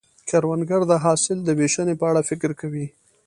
کروندګر د حاصل د ویشنې په اړه فکر کوي